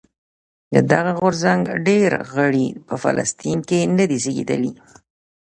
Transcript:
د دغه غورځنګ ډېری غړي په فلسطین کې نه دي زېږېدلي.